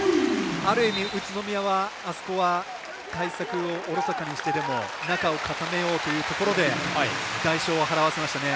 ある意味、宇都宮はあそこは対策をおろそかにしてでも中を固めようというところで代償を払わせましたね。